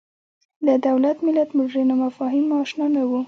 له دولت ملت مډرنو مفاهیمو اشنا نه وو